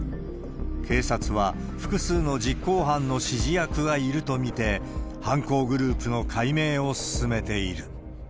警察は、複数の実行犯の指示役がいると見て、犯行グループの解明を進めている。